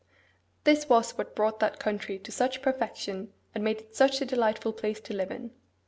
This was what brought that country to such perfection, and made it such a delightful place to live in.